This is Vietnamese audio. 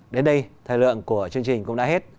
đến đây thời lượng của chương trình cũng đã hết